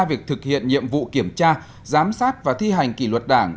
việc thực hiện nhiệm vụ kiểm tra giám sát và thi hành kỷ luật đảng